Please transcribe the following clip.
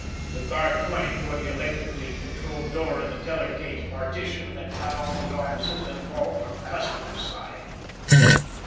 The guard pointed toward the electrically controled door in the teller cage partition that cut off the offices and vault from the customers' side.